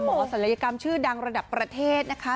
ศัลยกรรมชื่อดังระดับประเทศนะคะ